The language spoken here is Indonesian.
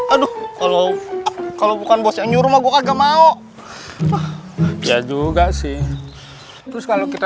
aduh kalau kalau bukan bosnya nyuruh gua nggak mau ya juga sih terus kalau kita